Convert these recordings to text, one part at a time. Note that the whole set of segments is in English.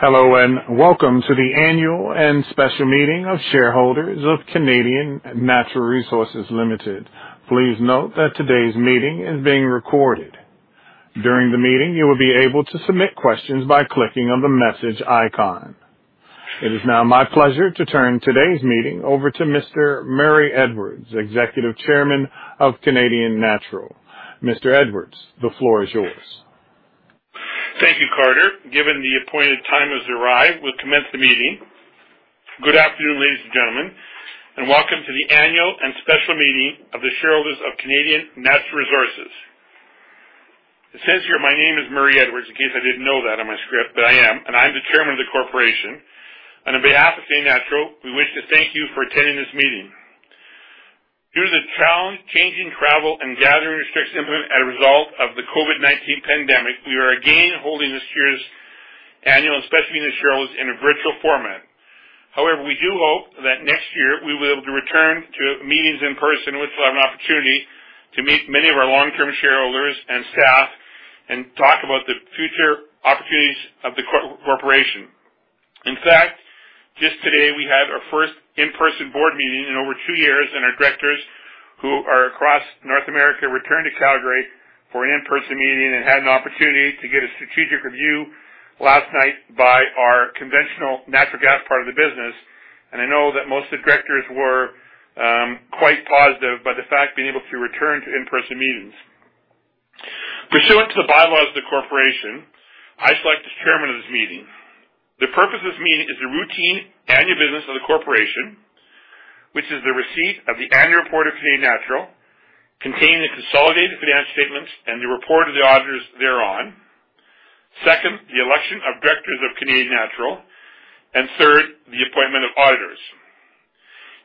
Hello, and welcome to the annual and special meeting of shareholders of Canadian Natural Resources Limited. Please note that today's meeting is being recorded. During the meeting, you will be able to submit questions by clicking on the message icon. It is now my pleasure to turn today's meeting over to Mr. Murray Edwards, Executive Chairman of Canadian Natural. Mr. Edwards, the floor is yours. Thank you, Carter. Given the appointed time has arrived, we'll commence the meeting. Good afternoon, ladies and gentlemen, and welcome to the annual and special meeting of the shareholders of Canadian Natural Resources. It says here my name is Murray Edwards, in case I didn't know that on my script, but I am, and I'm the Chairman of the corporation. On behalf of Canadian Natural, we wish to thank you for attending this meeting. Due to the challenging, changing travel and gathering restrictions implemented as a result of the COVID-19 pandemic, we are again holding this year's annual and special meeting of the shareholders in a virtual format. However, we do hope that next year we will be able to return to meetings in person, which will have an opportunity to meet many of our long-term shareholders and staff and talk about the future opportunities of the corporation. In fact, just today, we had our first in-person board meeting in over two years, and our directors, who are across North America, returned to Calgary for an in-person meeting, and had an opportunity to get a strategic review last night by our conventional natural gas part of the business. I know that most of the directors were quite positive by the fact being able to return to in-person meetings. Pursuant to the bylaws of the corporation, I select the Chairman of this meeting. The purpose of this meeting is the routine annual business of the corporation, which is the receipt of the annual report of Canadian Natural, containing the consolidated financial statements and the report of the auditors thereon. Second, the election of directors of Canadian Natural, and third, the appointment of auditors.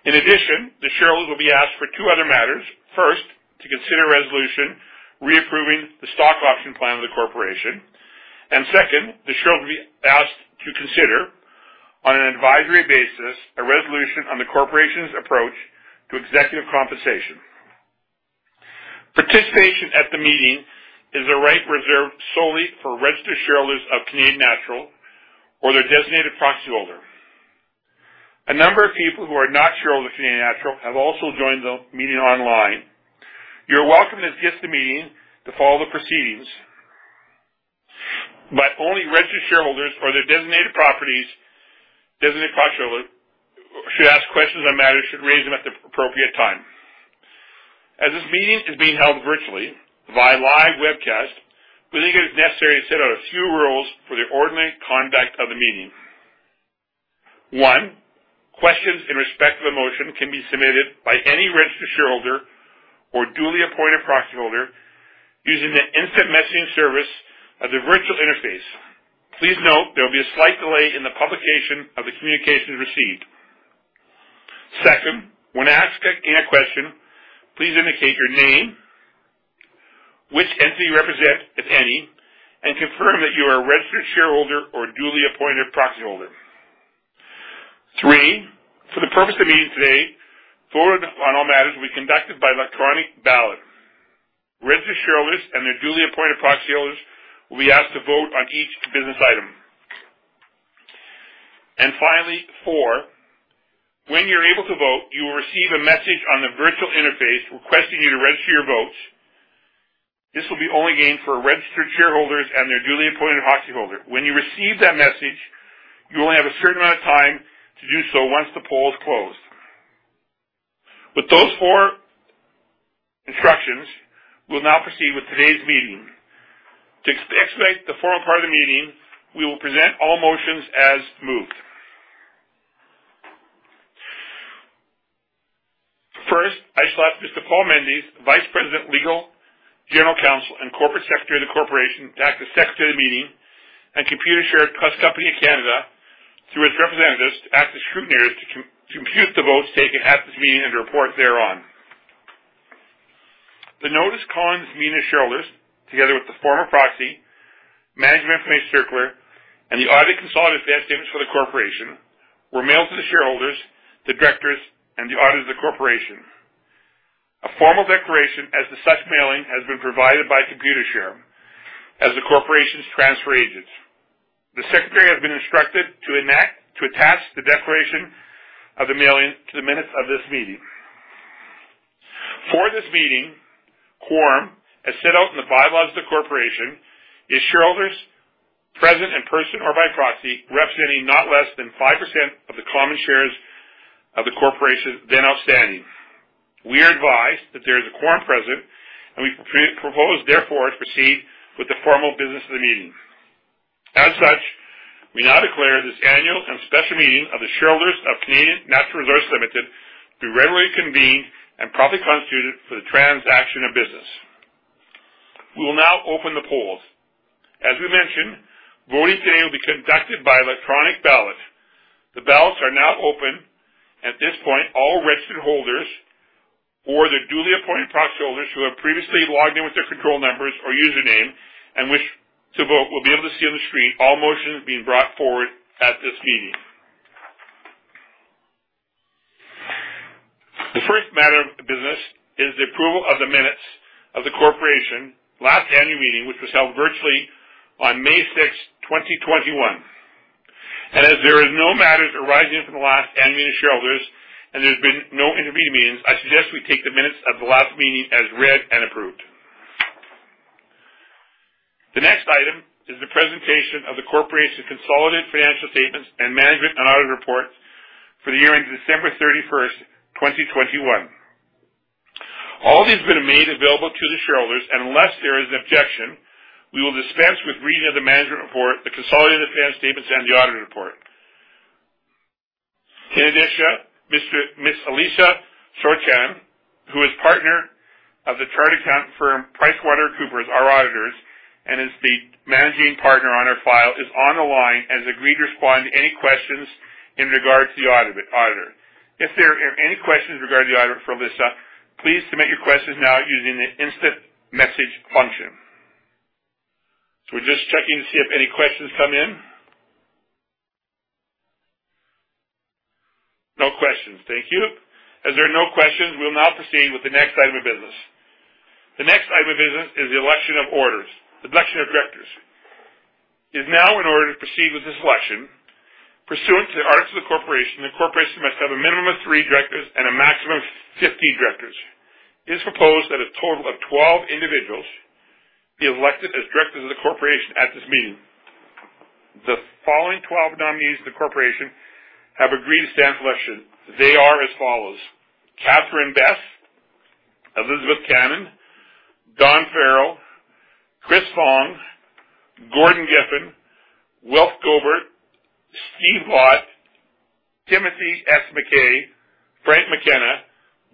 In addition, the shareholders will be asked for two other matters. First, to consider a resolution reapproving the stock option plan of the corporation. Second, the shareholder will be asked to consider, on an advisory basis, a resolution on the corporation's approach to executive compensation. Participation at the meeting is a right reserved solely for registered shareholders of Canadian Natural or their designated proxyholder. A number of people who are not shareholders of Canadian Natural have also joined the meeting online. You're welcome to attend the meeting to follow the proceedings. Only registered shareholders or their designated proxyholders should ask questions on matters, should raise them at the appropriate time. This meeting is being held virtually via live webcast. We think it is necessary to set out a few rules for the ordinary conduct of the meeting. One, questions in respect to the motion can be submitted by any registered shareholder or duly appointed proxyholder using the instant messaging service of the virtual interface. Please note there will be a slight delay in the publication of the communications received. Second, when asking a question, please indicate your name, which entity you represent, if any, and confirm that you are a registered shareholder or duly appointed proxyholder. Three, for the purpose of meeting today, voting on all matters will be conducted by electronic ballot. Registered shareholders and their duly appointed proxyholders will be asked to vote on each business item. Finally, four, when you're able to vote, you will receive a message on the virtual interface requesting you to register your votes. This will be only, again, for registered shareholders and their duly appointed proxyholder. When you receive that message, you only have a certain amount of time to do so once the poll is closed. With those four instructions, we'll now proceed with today's meeting. To expect the formal part of the meeting, we will present all motions as moved. First, I select Mr. Paul Mendes, Vice President, Legal, General Counsel, and Corporate Secretary of the Corporation, to act as Secretary of the meeting, and Computershare Trust Company of Canada, through its representatives, to act as scrutineers to compute the votes taken at this meeting and report thereon. The notice calling this meeting of shareholders, together with the form of proxy, Management Information Circular, and the audited consolidated financial statements for the corporation, were mailed to the shareholders, the directors, and the auditors of the corporation. A formal declaration as to such mailing has been provided by Computershare as the corporation's transfer agent. The Secretary has been instructed to attach the declaration of the mailing to the minutes of this meeting. For this meeting, quorum, as set out in the bylaws of the corporation, is shareholders present in person or by proxy, representing not less than 5% of the common shares of the corporation then outstanding. We are advised that there is a quorum present, and we propose, therefore, to proceed with the formal business of the meeting. As such, we now declare this annual and special meeting of the shareholders of Canadian Natural Resources Limited to be regularly convened and properly constituted for the transaction of business. We will now open the polls. As we mentioned, voting today will be conducted by electronic ballot. The ballots are now open. At this point, all registered holders or their duly appointed proxyholders who have previously logged in with their control numbers or username and wish to vote will be able to see on the screen all motions being brought forward at this meeting. This is the approval of the minutes of the Corporation's last annual meeting, which was held virtually on May 6th, 2021. As there is no matters arising from the last annual shareholders, and there's been no intervening meetings, I suggest we take the minutes of the last meeting as read and approved. The next item is the presentation of the Corporation's consolidated financial statements and management and audit report for the year ending December 31st, 2021. All these have been made available to the shareholders, and unless there is an objection, we will dispense with reading of the management report, the consolidated financial statements, and the audit report. In addition, Ms. Alisa Sorochan, who is partner of the chartered accountant firm PricewaterhouseCoopers, our auditors, and is the Managing Partner on our file, is on the line and has agreed to respond to any questions in regards to the audit, auditor. If there are any questions regarding the auditor for Alisa, please submit your questions now using the instant message function. We're just checking to see if any questions come in. No questions. Thank you. As there are no questions, we'll now proceed with the next item of business. The next item of business is the election of directors. The election of directors is now in order to proceed with this election pursuant to the articles of incorporation, the corporation must have a minimum of three directors and a maximum of 50 directors. It is proposed that a total of 12 individuals be elected as directors of the corporation at this meeting. The following 12 nominees of the corporation have agreed to stand for election. They are as follows: Catherine Best, Elizabeth Cannon, Dawn Farrell, Chris Fong, Gordon Giffin, Wilfred Gobert, Steve Laut, Timothy S. McKay, Frank McKenna,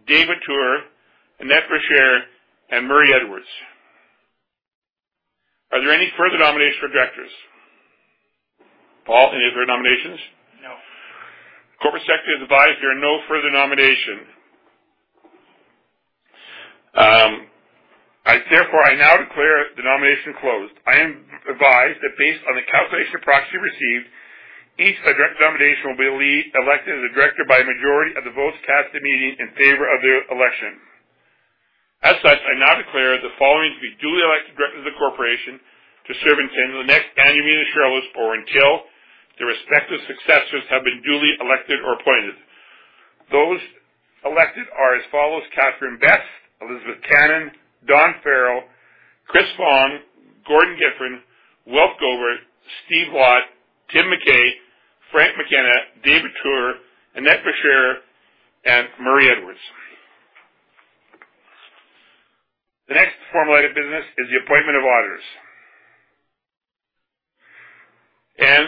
David Tuer, Annette Verschuren, and Murray Edwards. Are there any further nominations for directors? Paul, any further nominations? No. Corporate Secretary has advised there are no further nominations. I therefore now declare the nomination closed. I am advised that based on the calculation of proxies received, each director nominee will be elected as a director by a majority of the votes cast at the meeting in favor of their election. As such, I now declare the following to be duly elected directors of the corporation to serve until the next annual meeting of shareholders, or until their respective successors have been duly elected or appointed. Those elected are as follows, Catherine Best, Elizabeth Cannon, Dawn Farrell, Chris Fong, Gordon Giffin, Wilf Gobert, Steve Laut, Tim McKay, Frank McKenna, David Tuer, Annette Verschuren, and Murray Edwards. The next formal item of business is the appointment of auditors and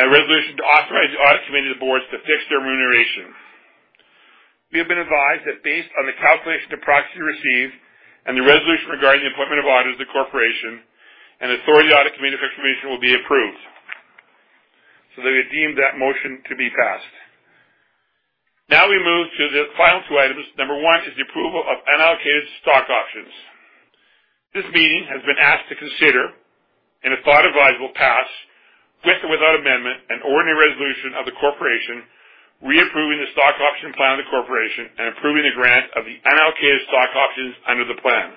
a resolution to authorize the audit committee of the board to fix their remuneration. We have been advised that, based on the calculation of proxies received and the resolution regarding the appointment of auditors of the corporation, the resolution regarding the appointment of auditors of the corporation and the authority of the audit committee to fix their remuneration will be approved. They deemed that motion to be passed. Now, we move to the final two items. Number one is the approval of unallocated stock options. This meeting has been called to consider, and if thought advisable, pass, with or without amendment, an ordinary resolution of the corporation reapproving the stock option plan of the corporation and approving the grant of the unallocated stock options under the plan.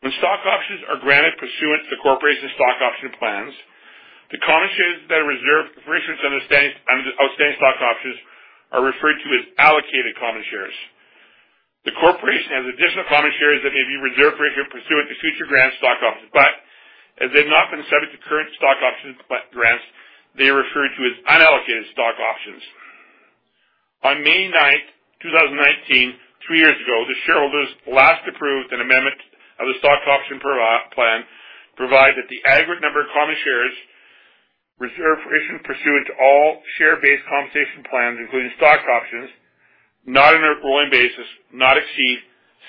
When stock options are granted pursuant to the corporation's stock option plans, the common shares that are reserved for issuance under outstanding stock options are referred to as allocated common shares. The corporation has additional common shares that may be reserved for issue pursuant to future grants of stock options, but as they've not been subject to current grants of stock options, they are referred to as unallocated stock options. On May 9th, 2019, three years ago, the shareholders last approved an amendment of the stock option plan, provided that the aggregate number of common shares reserved for issue pursuant to all share-based compensation plans, including stock options, not on a rolling basis, not exceed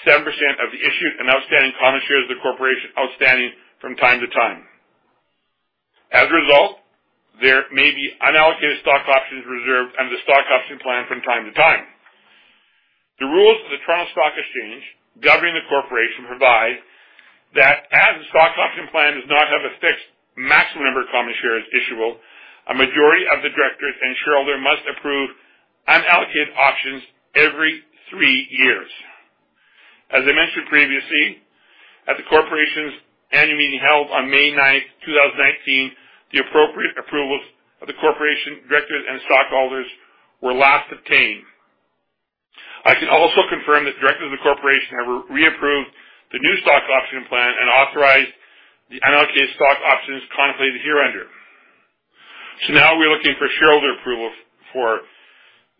7% of the issued and outstanding common shares of the corporation outstanding from time to time. As a result, there may be unallocated stock options reserved under the stock option plan from time to time. The rules of the Toronto Stock Exchange governing the corporation provide that as the stock option plan does not have a fixed maximum number of common shares issuable, a majority of the directors and shareholder must approve unallocated options every three years. As I mentioned previously, at the corporation's annual meeting held on May 9th, 2019, the appropriate approvals of the corporation, directors and stockholders were last obtained. I can also confirm that directors of the corporation have reapproved the new stock option plan and authorized the unallocated stock options contemplated hereunder. Now, we're looking for shareholder approval for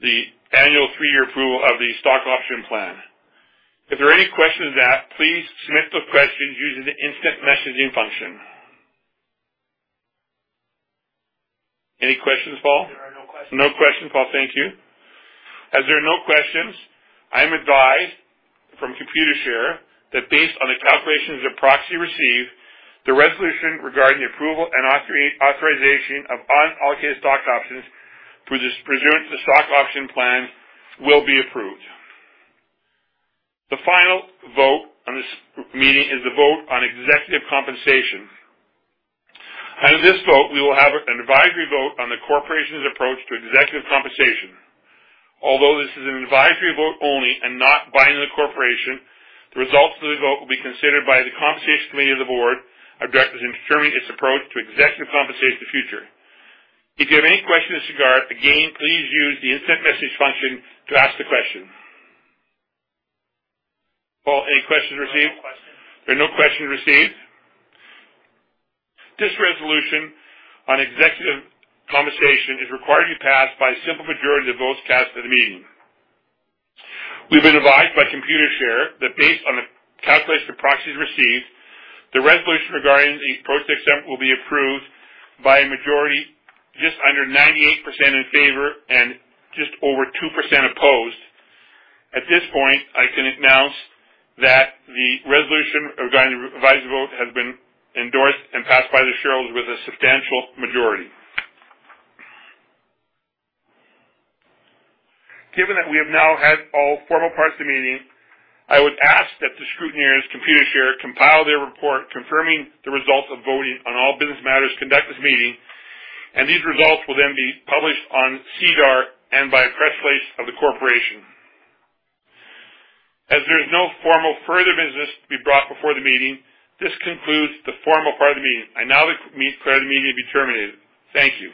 the annual three-year approval of the stock option plan. If there are any questions on that, please submit the questions using the instant messaging function. Any questions, Paul? There are no questions. No questions. Paul, thank you. As there are no questions, I am advised from Computershare that based on the calculations of proxy received, the resolution regarding the approval and authorization of unallocated stock options for this pursuant to stock option plan will be approved. The final vote on this meeting is the vote on executive compensation. In this vote, we will have an advisory vote on the corporation's approach to executive compensation. Although this is an advisory vote only and not binding the corporation, the results of the vote will be considered by the Compensation Committee of the Board of Directors in determining its approach to executive compensation in the future. If you have any questions, again, please use the instant message function to ask the question. Paul, any questions received? No questions. There are no questions received. This resolution on executive compensation is required to be passed by a simple majority of the votes cast at the meeting. We've been advised by Computershare that based on the calculation of proxies received, the resolution regarding the approach to accept will be approved by a majority just under 98% in favor and just over 2% opposed. At this point, I can announce that the resolution regarding advisory vote has been endorsed and passed by the shareholders with a substantial majority. Given that we have now had all formal parts of the meeting, I would ask that the scrutineers, Computershare, compile their report confirming the results of voting on all business matters conducted this meeting, and these results will then be published on SEDAR and by a press release of the corporation. As there is no formal further business to be brought before the meeting, this concludes the formal part of the meeting. I now declare the meeting be terminated. Thank you.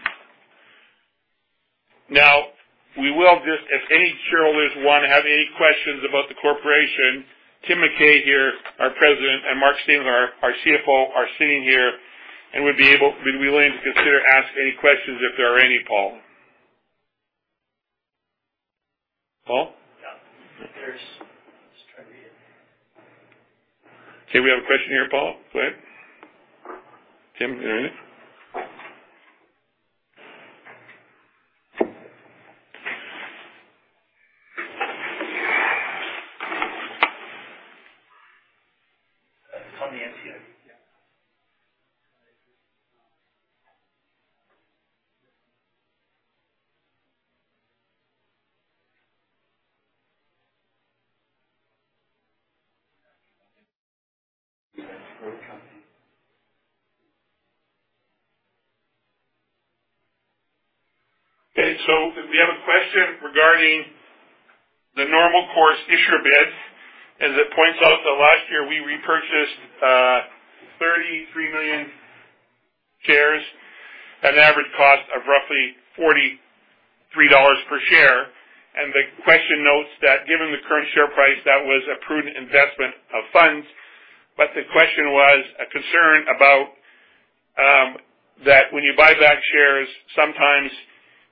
Now, if any shareholders want to have any questions about the corporation, Tim McKay here, our President, and Mark Stainthorpe, our CFO, are sitting here, and would be willing to answer any questions if there are any, Paul. Paul? Yeah. Just trying to read it. Okay. We have a question here, Paul. Go ahead. Tim, you hear any? It's on the NCIB. Yeah. Okay. We have a question regarding the normal course issuer bids. As it points out that last year we repurchased 33 million shares at an average cost of roughly 43 dollars per share. The question notes that given the current share price, that was a prudent investment of funds. The question was a concern about that when you buy back shares, sometimes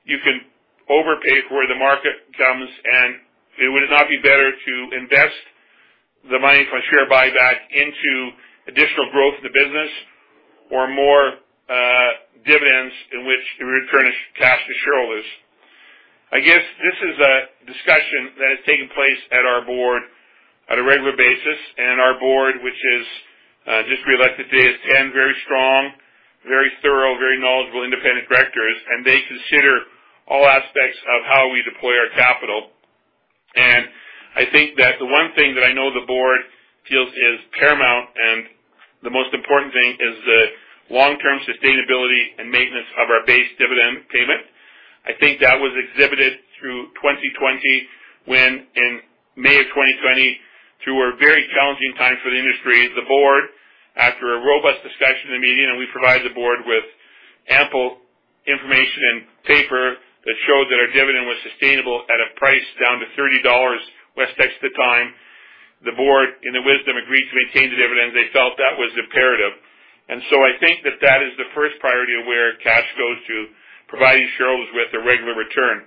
you can overpay for where the market comes, and it would not be better to invest the money from a share buyback into additional growth in the business or more dividends in which you return cash to shareholders. I guess this is a discussion that has taken place at our board on a regular basis. Our board, which is just reelected today, is 10 very strong, very thorough, very knowledgeable, independent directors, and they consider all aspects of how we deploy our capital. I think that the one thing that I know the board feels is paramount, and the most important thing is the long-term sustainability and maintenance of our base dividend payment. I think that was exhibited through 2020 when in May of 2020, through a very challenging time for the industry, the board, after a robust discussion and meeting--and we provided the board with ample information and paper that showed that our dividend was sustainable at a price down to 30 dollars less tax at the time--the board, in their wisdom, agreed to retain the dividend. They felt that was imperative. I think that is the first priority of where cash goes to providing shareholders with a regular return.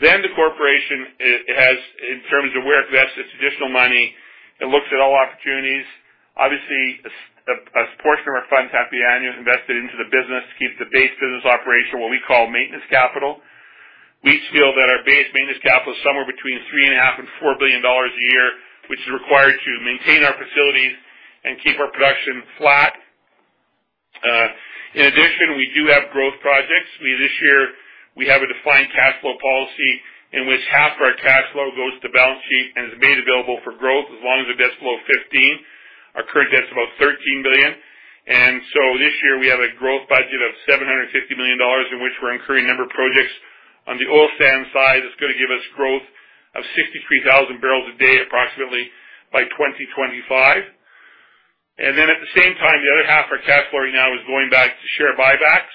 The corporation has, in terms of where it invests its additional money, it looks at all opportunities. Obviously, a portion of our funds have to be annually invested into the business to keep the base business operation, what we call maintenance capital. We feel that our base maintenance capital is somewhere between 3.5 billion and 4 billion dollars a year, which is required to maintain our facilities and keep our production flat. In addition, we do have growth projects. This year we have a defined cash flow policy in which 1/2 of our cash flow goes to balance sheet and is made available for growth as long as the debt's below 15. Our current debt's about 13 billion. This year we have a growth budget of 750 million dollars, in which we're incurring a number of projects. On the oil sands side, it's gonna give us growth of 63,000 barrels a day, approximately by 2025. At the same time, the other 1/2 of our cash flow right now is going back to share buybacks.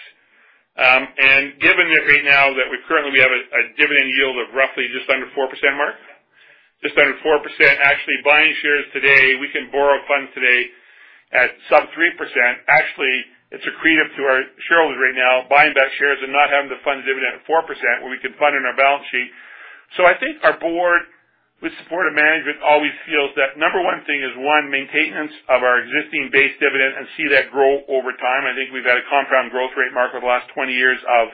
Given that, right now we currently have a dividend yield of roughly just under 4%, Mark? Yeah. Just under 4%. Actually, buying shares today, we can borrow funds today at sub 3%. Actually, it's accretive to our shareholders right now, buying back shares and not having to fund the dividend at 4% where we can fund in our balance sheet. I think our board, with support of management, always feels that number one thing is, one, maintenance of our existing base dividend and see that grow over time. I think we've had a compound growth rate, Mark, over the last 20 years of-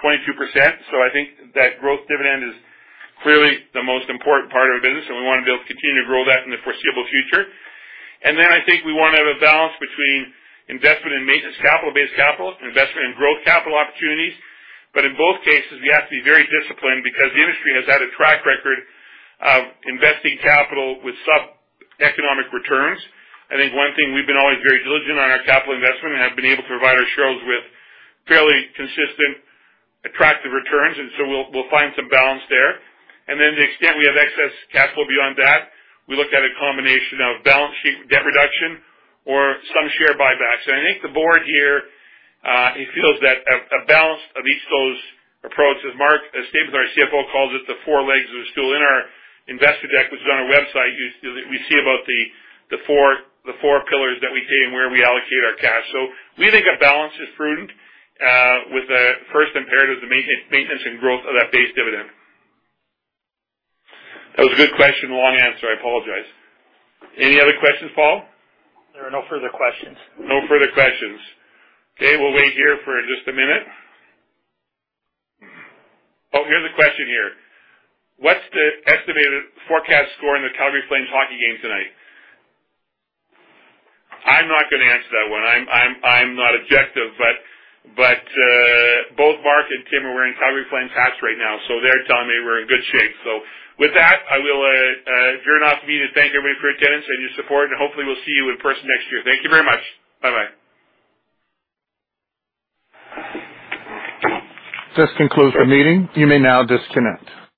22%. 22%. I think that growth dividend is clearly the most important part of our business, and we want to be able to continue to grow that in the foreseeable future. I think we want to have a balance between investment in maintenance capital, base capital, investment in growth capital opportunities. In both cases, we have to be very disciplined because the industry has had a track record of investing capital with sub-economic returns. I think one thing we've been always very diligent on our capital investment and have been able to provide our shareholders with fairly consistent, attractive returns, and so we'll find some balance there. The extent we have excess capital beyond that, we look at a combination of balance sheet debt reduction or some share buybacks. I think the board here, it feels that a balance of each of those approaches, Mark, as stated by our CFO, calls it the four legs of the stool. In our investor deck, which is on our website, you'll see we see about the four pillars that we take and where we allocate our cash. We think a balance is prudent, with the first imperative, the maintenance and growth of that base dividend. That was a good question. Long answer. I apologize. Any other questions, Paul? There are no further questions. No further questions. Okay, we'll wait here for just a minute. Oh, here's a question here. What's the estimated forecast score in the Calgary Flames hockey game tonight? I'm not gonna answer that one. I'm not objective, but both Mark and Tim are wearing Calgary Flames hats right now, so they're telling me we're in good shape. With that, I will adjourn off the meeting. Thank everybody for your attendance and your support, and hopefully we'll see you in person next year. Thank you very much. Bye-bye. This concludes the meeting. You may now disconnect.